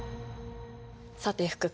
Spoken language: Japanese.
さて福君。